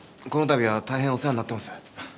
このたびは大変お世話になってます。